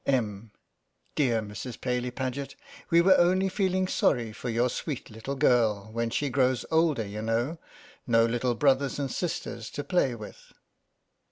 Em : Dear Mrs. Paly Paget, we were only feeling sorry for your sweet little girl when she grows older, you know, No little brothers and sisters to play with.